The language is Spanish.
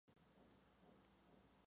El Muro.